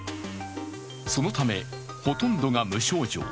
そのため、ほとんどが無症状。